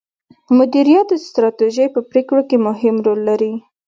مديريت د ستراتیژۍ په پریکړو کې مهم رول لري.